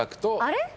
あれ？